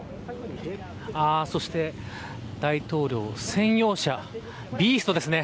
そして、大統領専用車ビーストですね。